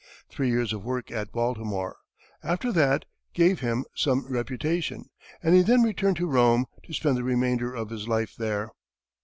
Three years of work at Baltimore, after that, gave him some reputation, and he then returned to Rome, to spend the remainder of his life there.